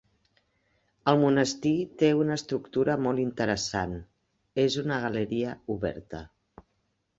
El monestir té una estructura molt interessant; és una galeria oberta.